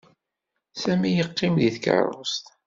Sami yeqqim deg tkeṛṛust.